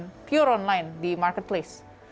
kita sudah online di marketplace